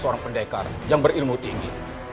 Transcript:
seorang pendekar yang berilmu tinggi